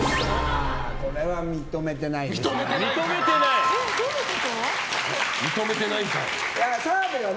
これは認めてないですね。